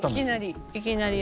いきなり。